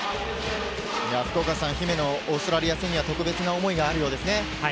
姫野はオーストリア戦には特別な思いがあるようですね。